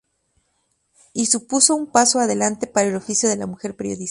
Y supuso un paso adelante para el oficio de la mujer periodista.